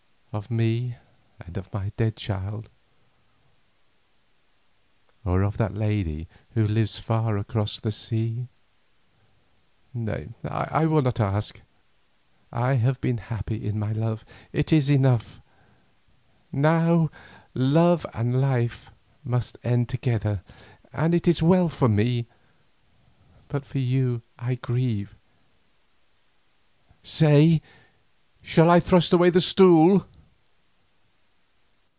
Of me and of my dead child, or of that lady who lives far across the sea? Nay, I will not ask. I have been happy in my love, it is enough. Now love and life must end together, and it is well for me, but for you I grieve. Say, shall I thrust away the stool?"